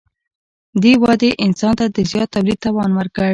دې ودې انسان ته د زیات تولید توان ورکړ.